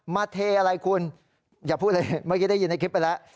เทอะไรคุณอย่าพูดเลยเมื่อกี้ได้ยินในคลิปไปแล้ว